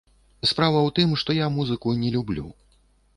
Справа ў тым, што я музыку не люблю.